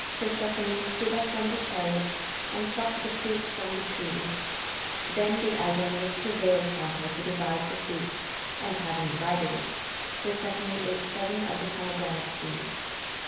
Persephone stood up in the chariot and plucked the fruit from the tree. Then did Aidoneus prevail upon her to divide the fruit, and, having divided it, Persephone ate seven of the pomegranate seeds.